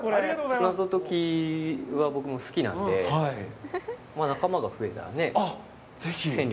謎解きは僕も好きなんで、仲間が増えたらね、戦力。